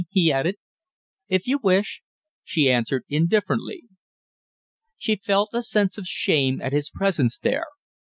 he added. "If you wish," she answered indifferently. She felt a sense of shame at his presence there.